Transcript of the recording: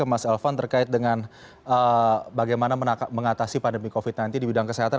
mas elvan terkait dengan bagaimana mengatasi pandemi covid sembilan belas di bidang kesehatan